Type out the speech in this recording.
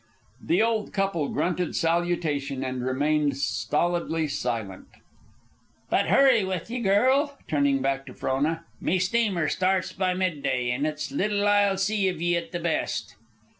The old couple grunted salutation and remained stolidly silent. "But hurry with ye, girl," turning back to Frona. "Me steamer starts by mid day, an' it's little I'll see iv ye at the best.